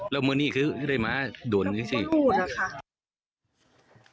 แล้วเมื่อนี้เลยม้าโดนไม่รู้นะคะ